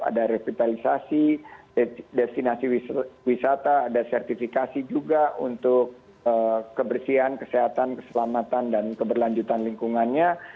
ada revitalisasi destinasi wisata ada sertifikasi juga untuk kebersihan kesehatan keselamatan dan keberlanjutan lingkungannya